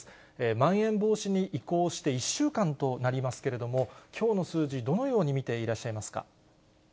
まん延防止に移行して１週間となりますけれども、きょうの数字、どのように見ていらっしゃいますか。